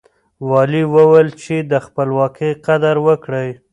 والي وويل چې د خپلواکۍ قدر وکړئ.